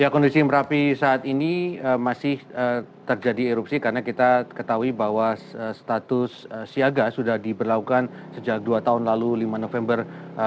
kondisi merapi saat ini masih terjadi erupsi karena kita ketahui bahwa status siaga sudah diberlakukan sejak dua tahun lalu lima november dua ribu dua puluh